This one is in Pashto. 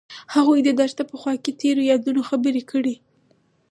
هغوی د دښته په خوا کې تیرو یادونو خبرې کړې.